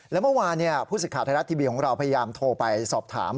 และเมื่อวานผู้สิทธิ์ไทยรัฐทีวีของเราพยายามโทรไปสอบถาม